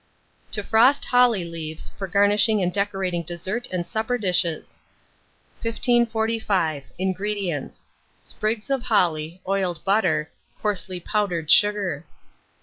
TO FROST HOLLY LEAVES, for garnishing and decorating Dessert and Supper Dishes. 1545. INGREDIENTS. Sprigs of holly, oiled butter, coarsely powdered sugar.